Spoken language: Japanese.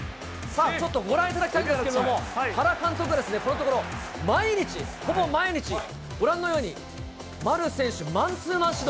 ちょっとご覧いただきたいんですけれども、原監督がですね、このところ、毎日、ほぼ毎日、ご覧のように丸選手をマンツーマン指導。